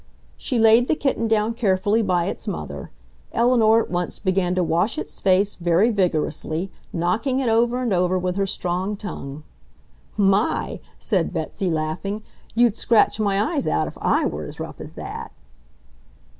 She laid the kitten down carefully by its mother. Eleanor at once began to wash its face very vigorously, knocking it over and over with her strong tongue. "My!" said Betsy, laughing. "You'd scratch my eyes out, if I were as rough as that!"